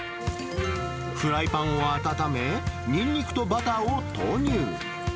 フライパンを温め、ニンニクとバターを投入。